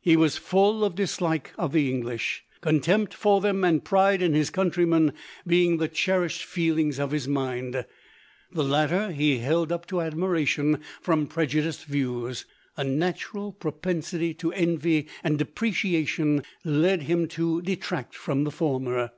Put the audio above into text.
He was full of dislike of the English. Contempt for them, and pride in his countrymen, being the cherished LODORE. 255 feelings of his mind ; the latter he held up to admiration from prejudiced views ; a natural propensity to envy and depreciation led him to detract from the former.